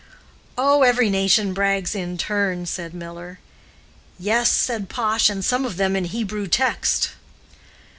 "Oh, every nation brags in its turn," said Miller. "Yes," said Pash, "and some of them in the Hebrew text."